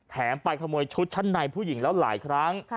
ไปขโมยชุดชั้นในผู้หญิงแล้วหลายครั้ง